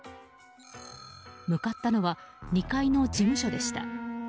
向かったのは２階の事務所でした。